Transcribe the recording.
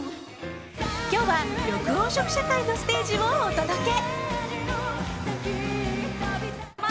今日は緑黄色社会のステージをお届け。